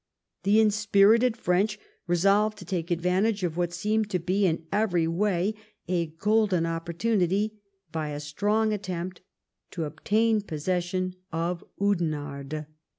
The inspirited French resolved to take advantage of what seemed to be in every way a golden oppor tunity by a strong attempt to obtain possession of Oudenarde.